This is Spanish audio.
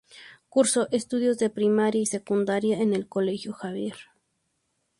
Cursó estudios de primaria y secundaria en el Colegio Javier.